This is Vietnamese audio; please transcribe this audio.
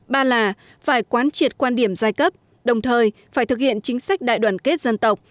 ba là phải quán triệt quan điểm giai cấp đồng thời phải thực hiện chính sách đại đoàn kết dân tộc